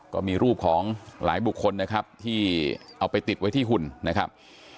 ก็มีรูปของหลายบุคคลนะครับที่เอาไปติดไว้ที่หุ่นนะครับ